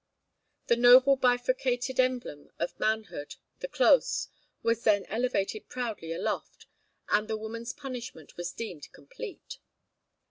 The noble bifurcated emblem of manhood, the clos, was then elevated proudly aloft, and the woman's punishment was deemed complete.